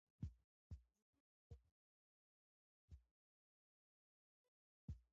ژوند د وخت په تېرېدو سره رازونه بربنډوي.